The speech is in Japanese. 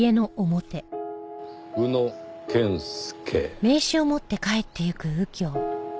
宇野健介。